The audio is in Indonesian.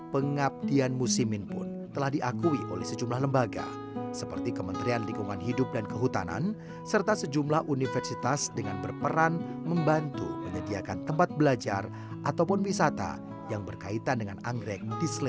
pengabdian musimin pun telah diakui oleh sejumlah lembaga seperti kementerian lingkungan hidup dan kehutanan serta sejumlah universitas dengan berperan membantu menyediakan tempat belajar ataupun wisata yang berkaitan dengan anggrek